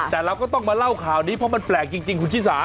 แต่เราก็ต้องมาเล่าข่าวนี้เพราะมันแปลกจริงคุณชิสา